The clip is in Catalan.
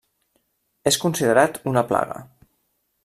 És considerat una plaga.